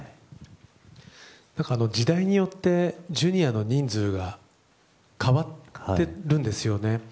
時代によってＪｒ．の人数が変わっているんですよね。